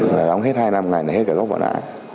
nè đóng hết hai năm ngày là hết cả góp bọn ạ